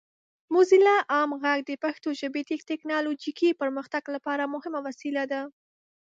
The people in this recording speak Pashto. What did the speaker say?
موزیلا عام غږ د پښتو ژبې د ټیکنالوجیکي پرمختګ لپاره مهمه وسیله ده.